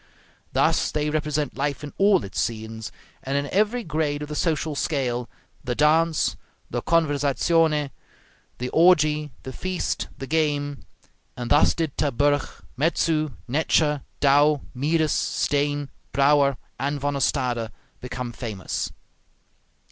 Thus they represent life in all its scenes, and in every grade of the social scale the dance, the conversazione, the orgie, the feast, the game; and thus did Terburg, Metzu, Netscher, Dow, Mieris, Steen, Brouwer, and Van Ostade become famous.